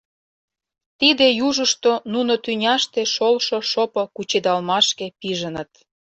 Тиде южышто нуно тӱняште шолшо шопо кучедалмашке пижыныт.